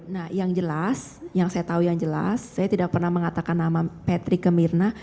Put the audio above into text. nah yang jelas yang saya tahu yang jelas saya tidak pernah mengatakan nama patrick ke mirna